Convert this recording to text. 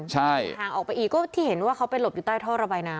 ใช่ห่างออกไปอีกก็ที่เห็นว่าเขาไปหลบอยู่ใต้ท่อระบายน้ำ